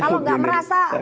kalau gak merasa